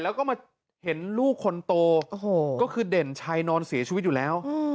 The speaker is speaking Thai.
แล้วก็มาเห็นลูกคนโตก็คือเด่นชัยนอนเสียชีวิตอยู่แล้ว